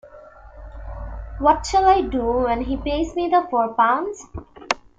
What shall I do when he pays me the four pounds?